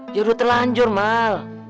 dia udah terlanjur mal